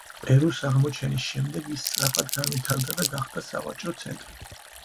პერუს აღმოჩენის შემდეგ ის სწრაფად განვითარდა და გახდა სავაჭრო ცენტრი.